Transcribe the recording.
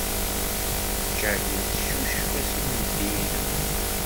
Jeanine teccucef-as i uydi-nnem.